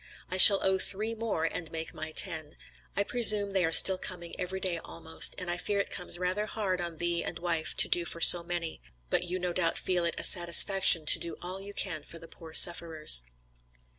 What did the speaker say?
I shall owe three more, to make my ten. I presume they are still coming every day almost, and I fear it comes rather hard on thee and wife to do for so many; but you no doubt feel it a satisfaction to do all you can for the poor sufferers."